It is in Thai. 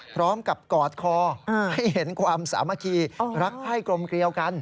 พร้อมกับกอดคอให้เห็นความสามัคคีรักไข้กลมเกลียวกัน